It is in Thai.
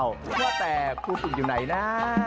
ว่าแต่ครูฝึกอยู่ไหนนะ